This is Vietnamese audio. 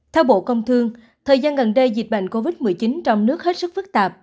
theo bộ công thương thời gian gần đây dịch bệnh covid một mươi chín trong nước hết sức phức tạp